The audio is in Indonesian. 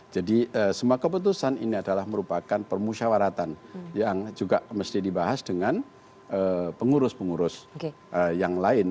jadi semua keputusan ini adalah merupakan permusyawaratan yang juga mesti dibahas dengan pengurus pengurus yang lain